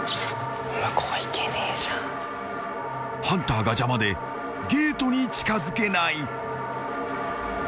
［ハンターが邪魔でゲートに近づけない］